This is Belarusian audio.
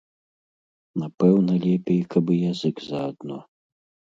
Напэўна лепей каб і язык заадно.